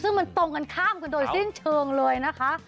ซึ่งมันตรงกันข้ามกันโดยสิ้นเชิงเลยนะคะ